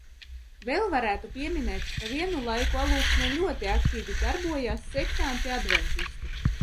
Vēl varētu pieminēt, ka vienu laiku Alūksnē ļoti aktīvi darbojās sektanti adventisti.